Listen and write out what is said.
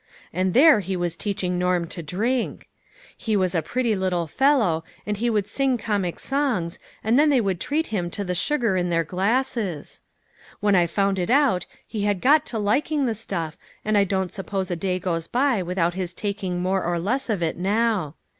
And there he was teaching Norm to drink. He was a pretty little fellow, and he would sing comic songs, and then they would treat him to the su gar in their glasses ! When I found it out, he had got to liking the stuff, and I don't suppose a day goes by without his taking more or less of it now.